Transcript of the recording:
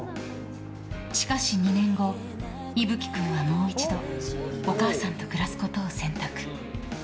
しかし２年後、ｉｖｕ鬼君はもう一度お母さんと暮らすことを選択。